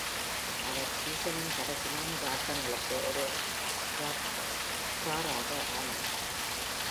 அவர் சீசனின் கடைசி நான்கு ஆட்டங்களுக்கு ஒரு ஸ்டார்ட்டராக ஆனார்.